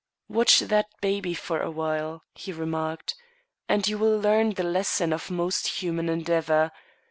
"Watch that baby for a while," he remarked, "and you will learn the lesson of most human endeavour.